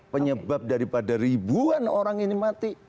penyebab daripada ribuan orang ini mati